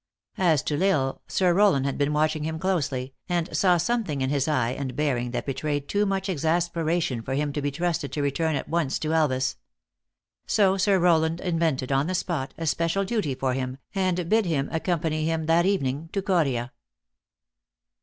As to L Isle, Sir Row land had been watching him closely, and saw some thing in his eye and bearing that betrayed too much exasperation for him to be trusted to return at once to Elvas. So, Sir Rowland invented, on the spot, a special duty for him, and bid him accompany him, that evening, to Coria.